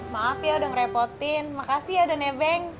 maaf ya udah ngerepotin makasih ya udah neveng